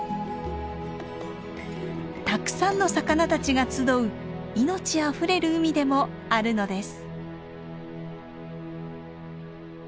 たくさんの魚たちが集う命あふれる海でもあるのです。